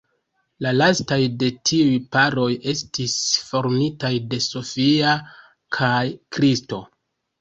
La lastaj de tiuj paroj estis formitaj de Sophia kaj Kristo.